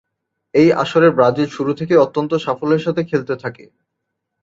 এই আসরে ব্রাজিল শুরু থেকেই অত্যন্ত সাফল্যের সাথে খেলতে থাকে।